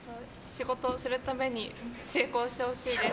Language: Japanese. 仕事をするために成功してほしいです。